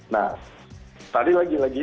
nah tadi lagi lagi